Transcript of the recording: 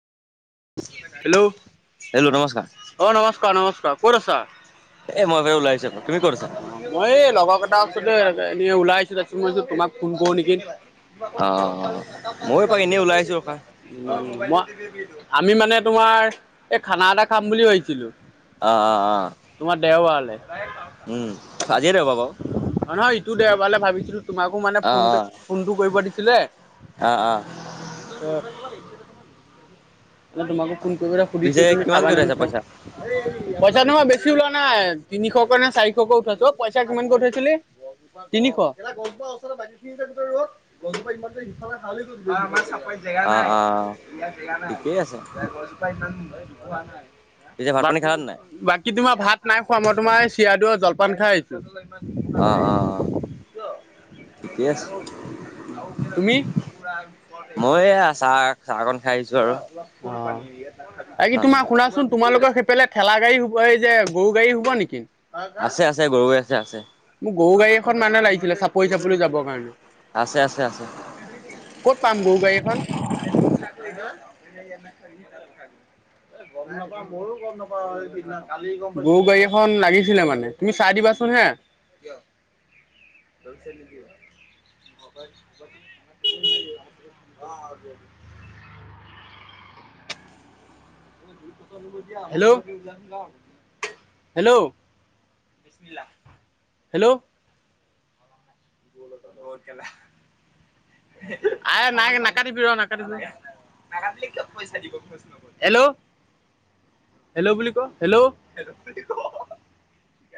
Hello অ hello নমস্কাৰ নমস্কাৰ নমস্কাৰ কত আছা এই মই এবাৰ ওলাই আহিছোঁ তুমি ক'ত আছা মই লগৰ কেইটা ওচৰতে এনেই ওলাই আহিছোঁ মইছো তোমাক ফোন কৰোঁ নেকি? অ' ময়ো এপাক এনেই ওলাই আহিছোঁ ৰখা অ' [unintelligible] ম আমি মানে তোমাৰ এই খানা এটা খাম বুলি ভাবিছিলো অ অ অ তোমাৰ দেওবাৰলে উম আজিয়ে দেওবাৰ বাওঁ নহয় নহয় ইটো দেওবালে ভাবিছিলো তোমাকো মানে অ' ফোনটে অ' ফোনটো কৰিব দিছিলে অ' অ' তোমাকো ফোন কৰিবলৈ সুধিছো পিছে তুমি কিমানকে খাবানে উঠাইছা নোখোৱা। পইচা পইচানো বেছি ওলোৱা নাই তিনিশকৈ নে চাৰিশকৈ উঠাইছো অ পইচা কিমানকৈ উঠাইছিলি তিনিশ জেগা অ' নাই অ' জেগা নাই ঠিকেই আছে গছ জোপাই ইমান জোপোহা নাই পিছে ভাত পানী খালানে নাই বাকী তোমাৰ ভাত নাই খোৱা মই তোমাৰ চিৰাদৈ জলপান খাই আহিছো। অঁ অঁ অঁ ঠিকে আছে তুমি? মই এয়া চাৰ অ, আ কি অ' তোমাৰ শুনাচোন তোমালোকৰ সে পেলাই ঠেলা গাড়ী হোব এই যে গৰু গাড়ী হোব নেকি আছে আছে গৰু গাড়ী আছে আছে মোক গৰু গাড়ী এখন মানে লাগিছিলে চাপৰি চাবলৈ যাবৰ কাৰণে আছে আছে আছে ক'ত পাম গৰু গাড়ী এখন [unintelligible] গৰু গাড়ী এখন লাগিছিলে মানে তুমি চাই দিবা চোন হে [unintelligible] হেল্ল হেল্ল' হেল্ল' আই নাই নাকাতিবি ৰ নাকাতিবি হেল্ল' হেল্ল বুলি ক হেল্ল